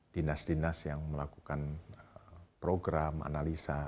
dinas dinas yang melakukan program analisa